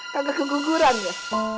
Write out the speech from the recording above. kagak keguguran ya